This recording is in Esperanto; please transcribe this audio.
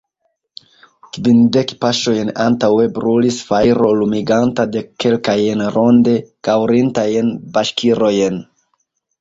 Kvindek paŝojn antaŭe brulis fajro, lumiganta dekkelkajn ronde kaŭrintajn baŝkirojn.